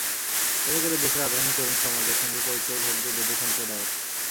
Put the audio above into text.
এতে করে দেশের আধুনিক তরুণ সমাজের সঙ্গে পরিচয় ঘটবে বেদে সম্প্রদায়ের।